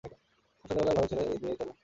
এখন সন্ধ্যাবেলায় ঘরের ছেলে ঘরে নিয়ে চলো।